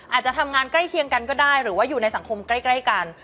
อาจจะทำงานใกล้เคียงกันก็ได้หรือว่าอยู่ในสังคมใกล้กัน